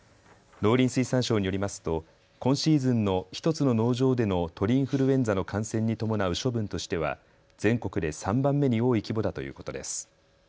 農林水産省によりますと今シーズンの１つの農場での鳥インフルエンザの感染に伴う処分としては全国で３番目に多い規模だということです。